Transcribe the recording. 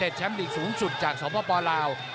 เต็ดแชมป์อีกสูงสุดจากสวพพ่อปอร์ลาว